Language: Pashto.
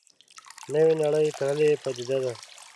نوې نړۍ تړلې پدیده ده.